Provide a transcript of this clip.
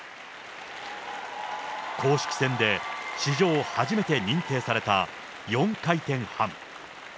公式戦で史上初めて認定された４回転半。